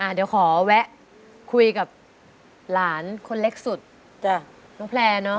เดี๋ยวขอแวะคุยกับหลานคนเล็กสุดน้องแพลร์เนอะ